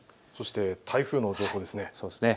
台風の情報ですね。